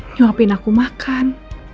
nyuapin aku makan